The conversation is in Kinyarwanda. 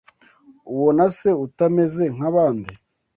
ubona se utameze nk’abandi